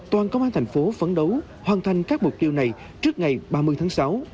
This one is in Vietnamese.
toàn công an thành phố phấn đấu hoàn thành các mục tiêu này trước ngày ba mươi tháng sáu